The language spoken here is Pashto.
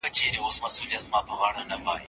په لاس خط لیکل د مغز انځوریز مهارتونه زیاتوي.